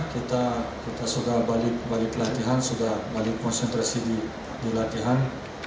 kita sudah balik pelatihan sudah balik konsentrasi di latihan